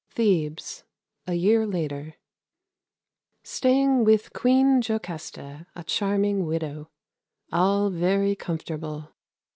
Thebes, a year later. Staying with Queen Jocasta, a charming widow. All very comfortable.